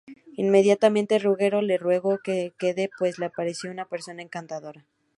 Inmediatamente Ruggero le ruega que se quede pues le pareció una persona encantadora.